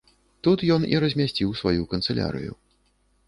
Тут ён і размясціў сваю канцылярыю.